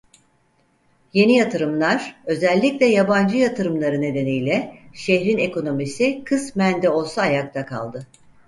Yeni yatırımlar özellikle yabancı yatırımları nedeniyle şehrin ekonomisi kısmen de olsa ayakta kaldı.